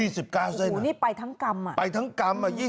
๒๙เส้นอุ๊ยนี่ไปทั้งกรรมอ่ะไปทั้งกรรมอ่ะ